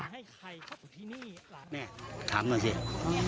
แม่ถามหน่อยสิ